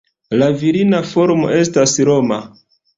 La virina formo estas Roma.